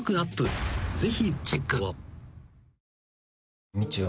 ぜひチェックを］